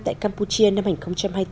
tại campuchia năm hai nghìn hai mươi bốn